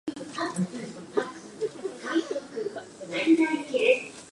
まだですかー